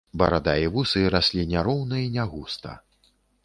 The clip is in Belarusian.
Барада і вусы раслі няроўна і нягуста.